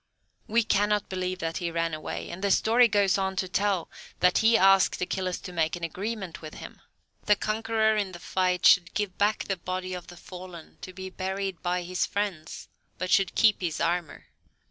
We cannot believe that he ran away, and the story goes on to tell that he asked Achilles to make an agreement with him. The conqueror in the fight should give back the body of the fallen to be buried by his friends, but should keep his armour.